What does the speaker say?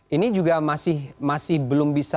ini juga masih belum bisa